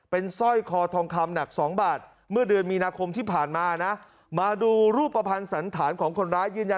เป็นซ่อยคอทองคำหนัก๒บาทเมื่อเดือนมีนาคมที่ผ่านมานะมาดูรูปประพันธ์สันถาญของคนร้าย